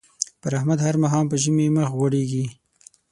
پر احمد هر ماښام په ژمي مخ غوړېږي.